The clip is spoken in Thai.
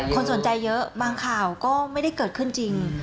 คนสนใจเยอะบางข่าวก็ไม่ได้เกิดขึ้นจริง